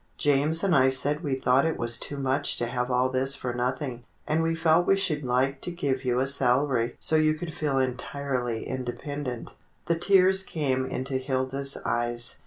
James and I said we thought it was too much to have all this for nothing, and we felt we should like to give you a salary so you could feel entirely independent." The tears came into Hilda's eyes.